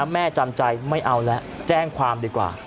แม่จำใจไม่เอาแล้วแจ้งความดีกว่า